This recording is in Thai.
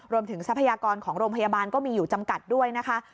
ทรัพยากรของโรงพยาบาลก็มีอยู่จำกัดด้วยนะคะ